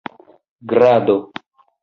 grado